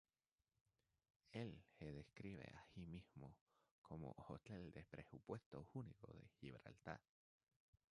Él se describe a sí mismo como "hotel de presupuesto único de Gibraltar".